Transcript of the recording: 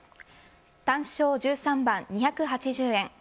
単勝、１３番、２８０円